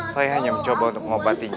saya hanya mencoba untuk mengobatinya